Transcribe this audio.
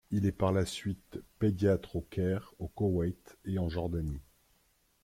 Il est par la suite pédiatre au Caire, au Koweït et en Jordanie.